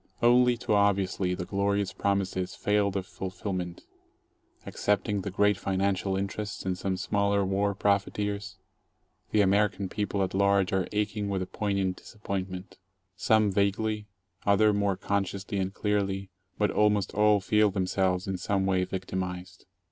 Only too obviously the glorious promises failed of fulfilment. Excepting the great financial interests and some smaller war profiteers, the Amer ican people at large are aching with a poignant disappointment. 10 Some vaguely, other more consciously and clearly, but almost all feel themselves in some way victimized.